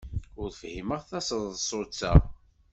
Ur fhimeɣ taseḍsut-a.